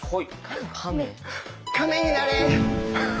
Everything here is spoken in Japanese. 亀になれ！